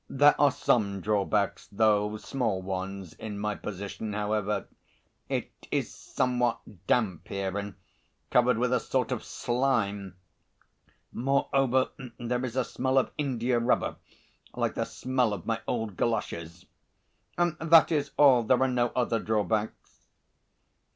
There are some drawbacks, though small ones, in my position, however; it is somewhat damp here and covered with a sort of slime; moreover, there is a smell of india rubber like the smell of my old galoshes. That is all, there are no other drawbacks."